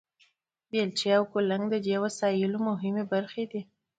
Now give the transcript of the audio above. بیلچې او کلنګ د دې وسایلو مهمې برخې وې.